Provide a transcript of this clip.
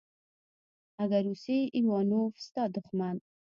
اگه روسی ايوانوف ستا دښمن.